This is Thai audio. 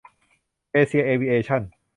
เอเชีย เอวิเอชั่น